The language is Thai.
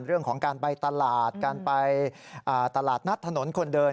เรื่องของการไปตลาดการไปตลาดนัดถนนคนเดิน